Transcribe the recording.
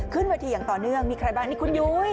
ขึ้นเวทีอย่างต่อเนื่องมีใครบ้างนี่คุณยุ้ย